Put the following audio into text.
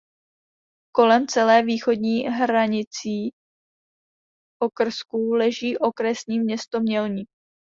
Kolem celé východní hranicí okrsku leží okresní město Mělník.